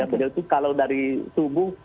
beliau itu kalau dari subuh